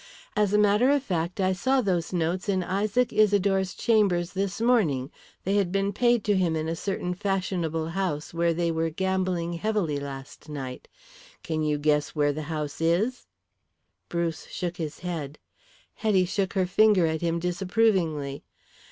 As a matter of fact I saw those notes in Isaac Isidore's chambers this morning, they had been paid to him in a certain fashionable house where they were gambling heavily last night. Can you guess where the house is?" Bruce shook his head. Hetty shook her finger at him disapprovingly.